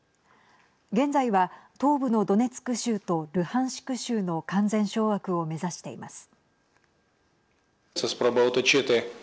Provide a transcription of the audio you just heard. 現在は、東部のドネツク州とルハンシク州の完全掌握を目指しています。